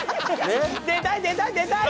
「出たい出たい出たい！」。